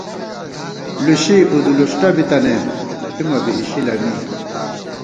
لُشی اُودُولُوݭٹہ بِتَنَئیم ، تھِمہ بی اِشِلہ می